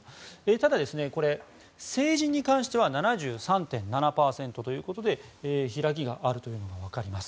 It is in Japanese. ただ、成人に関しては７３．７％ということで開きがあるというのが分かります。